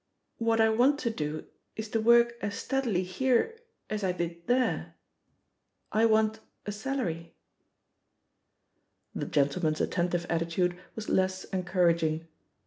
What I want to do is to work as steadily here as I did there — I want a salary/' The gentleman's attentive attitude Was less encouraging.